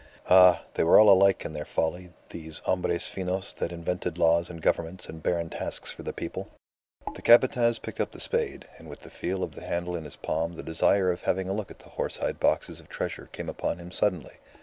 Ah! They were all alike in their folly, these hombres finos that invented laws and governments and barren tasks for the people. The Capataz picked up the spade, and with the feel of the handle in his palm the desire of having a look at the horse hide boxes of treasure came upon him suddenly.